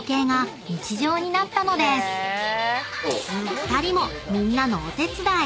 ［２人もみんなのお手伝い］